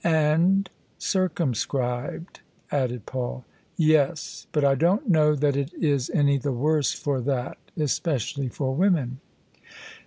" And circumscribed," added Paul. "Yes: but I don't know that it is any the worse for that — especially for women."